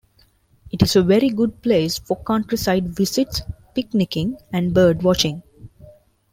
It is a very good place for countryside visits, picnicking and bird watching.